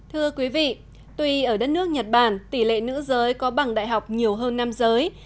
thưa quý vị tuy ở đất nước nhật bản tỷ lệ nữ giới có bằng đại học nhiều hơn nam giới